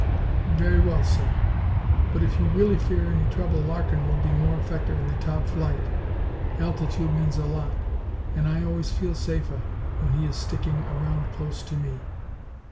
"Very well, sir. But if you really fear any trouble, Larkin will be more effective in the top flight. Altitude means a lot and I always feel safer when he is sticking around close to me."